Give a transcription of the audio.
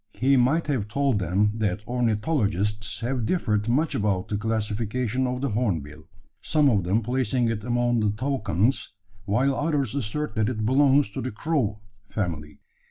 He might have told them that ornithologists have differed much about the classification of the hornbill some of them placing it among the toucans, while others assert that it belongs to the crow family.